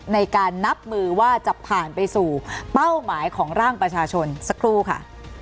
ในการนับมือว่าจะผ่านไปสู่เป้าหมายของร่างประชาชนสักครู่ค่ะ